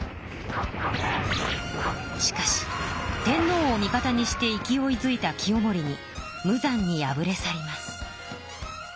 しかし天のうを味方にして勢いづいた清盛に無残に敗れ去ります。